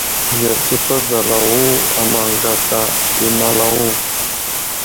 Bəzeɗe təgamalawo a maŋ gata i malawo.